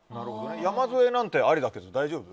山添なんてありだけど大丈夫？